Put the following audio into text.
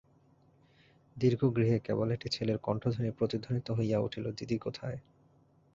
দীর্ঘ গৃহে কেবল একটি ছেলের কণ্ঠধ্বনি প্রতিধ্বনিত হইয়া উঠিল দিদি কোথায়।